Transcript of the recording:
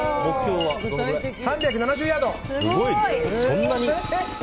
３７０ヤード！